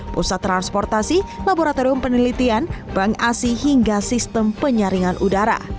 pusat transportasi laboratorium penelitian bank asi hingga sistem penyaringan udara